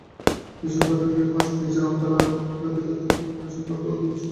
নিজের ঘরে গিয়ে বস, আর নিজের অন্তরাত্মার ভিতর থেকে উপনিষদের তত্ত্বগুলি আবিষ্কার কর।